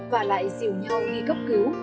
và lại dìu nhau ghi cấp cứu